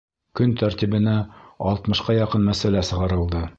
Көн тәртибенә алтмышҡа яҡын мәсьәлә сығарылды.